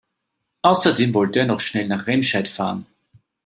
Außerdem wollte er noch schnell nach Remscheid fahren